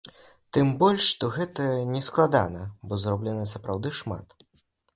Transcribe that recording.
Тым больш, што гэта нескладана, бо зроблена сапраўды шмат.